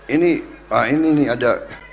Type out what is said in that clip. ini ah ini nih ada